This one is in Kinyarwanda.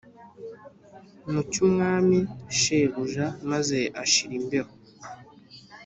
mu cy'umwami, shebuja, maze ashira imbeho.